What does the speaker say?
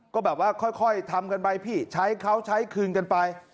ก็แบบว่าค่อยทำกันไปพี่ใช้เขาใช้คืนกันไป